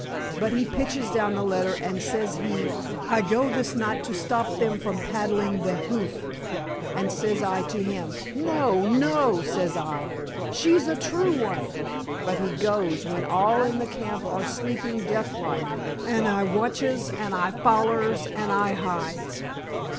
But he pitches down the letter, and says he, 'I go this night to stop them from paddling the hoof,' and says I to him, 'No! No!' says I. 'She's a true one.' But he goes, when all in the camp are sleeping death like, and I watches, and I follers, and I hides."